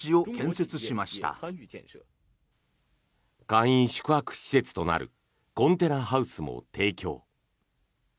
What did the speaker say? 簡易宿泊施設となるコンテナハウスも提供。